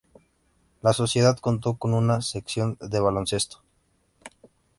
La sociedad contó con una sección de baloncesto.